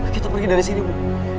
kita pergi dari sini bu